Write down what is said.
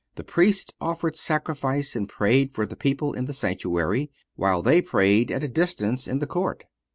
The Priest offered sacrifice and prayed for the people in the sanctuary, while they prayed at a distance in the court.